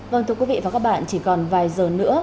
vâng thưa quý vị và các bạn chỉ còn vài giờ nữa